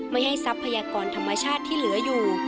ไม่ให้ทรัพยากรธรรมชาติที่เหลืออยู่